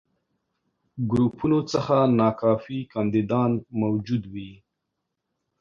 ګروپونو څخه ناکافي کانديدان موجود وي.